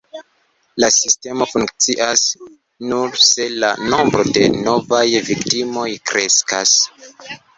La sistemo funkcias nur se la nombro de novaj viktimoj kreskas.